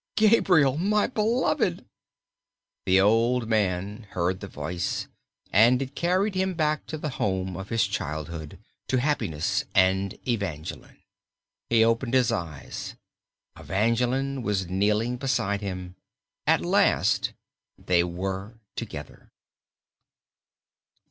"Gabriel, my beloved!" The old man heard the voice and it carried him back to the home of his childhood, to happiness and Evangeline. He opened his eyes. Evangeline was kneeling beside him. At last they were together.